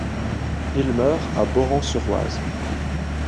Il meurt à Boran-sur-Oise.